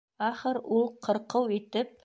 Ахыр ул, ҡырҡыу итеп: